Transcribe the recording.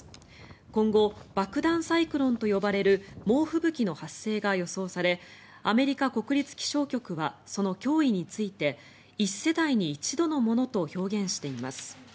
今後、爆弾サイクロンと呼ばれる猛吹雪の発生が予想されアメリカ国立気象局はその脅威について１世代に一度のものと表現しています。